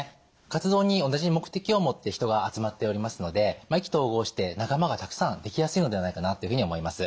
活動に同じ目的を持って人が集まっておりますので意気投合して仲間がたくさんできやすいのではないかなっていうふうに思います。